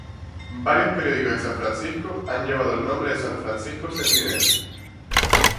Varios periódicos de San Francisco han llevado el nombre de "San Francisco Sentinel".